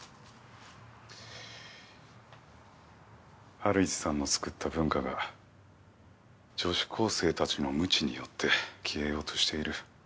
ハルイチさんの作った文化が女子高生たちの無知によって消えようとしている。